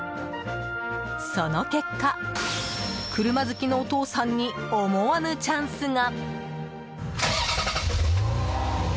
その結果、車好きのお父さんに思わぬチャンスが。